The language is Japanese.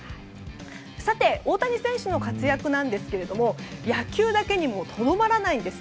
さて、大谷選手の活躍なんですけれども野球だけにとどまらないんです。